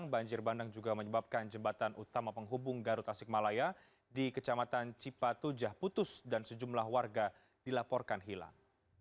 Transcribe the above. banjir bandang juga menyebabkan jembatan utama penghubung garut tasik malaya di kecamatan cipatu jahputus dan sejumlah warga dilaporkan hilang